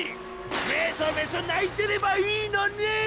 メソメソないてればいいのねん！